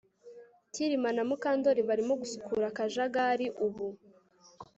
Kirima na Mukandoli barimo gusukura akajagari ubu